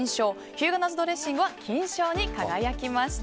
日向夏ドレッシングは金賞に輝きました。